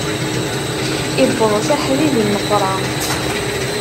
Iwweḍ s aḥdid, inneqwṛa.